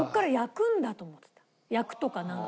焼くとかなんか。